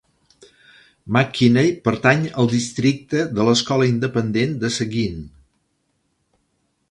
McQueeney pertany al districte de l'escola independent de Seguin.